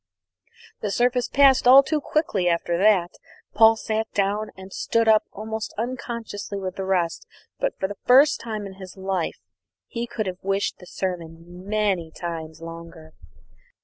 The service passed all too quickly after that. Paul sat down and stood up almost unconsciously with the rest; but for the first time in his life he could have wished the sermon many times longer.